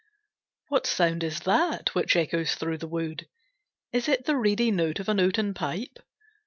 What sound is that which echoes through the wood? Is it the reedy note of an oaten pipe?